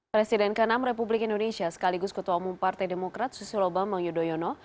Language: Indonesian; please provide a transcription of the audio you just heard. presiden ke enam republik indonesia sekaligus ketua umum partai demokrat susilo bambang yudhoyono